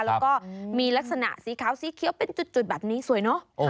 แล้วก็มีลักษณะสีขาวสีเขียวเป็นจุดแบบนี้สวยเนอะ